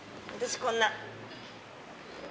私こんな。